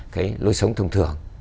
cái lối sống thông thường